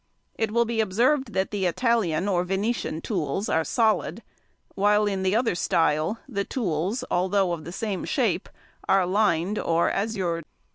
It will be observed that the Italian or Venetian tools are solid, while in the other style the tools, although of the same shape, are lined or azuré.